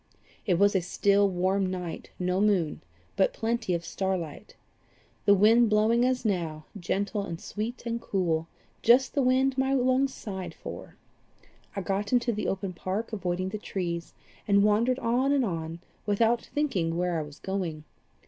"It was a still, warm night, no moon, but plenty of star light, the wind blowing as now, gentle and sweet and cool just the wind my lungs sighed for. I got into the open park, avoiding the trees, and wandered on and on, without thinking where I was going.